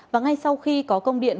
và ngay sau khi có công điện